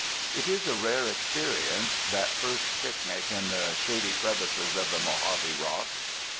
It is a rare experience, that first picnic in the shady crevices of the Mojave rocks.